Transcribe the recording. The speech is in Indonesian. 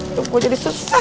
cukup gue jadi susah